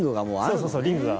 そうそう、リングが。